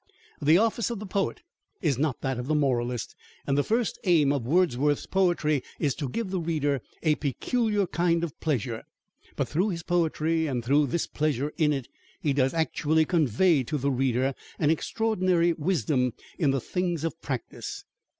The office of the poet is not that of the moralist, and the first aim of Wordsworth's poetry is to give the reader a peculiar kind of pleasure. But through his poetry, and through this pleasure in it, he does actually convey to the reader an extraordinary wisdom in the things of practice.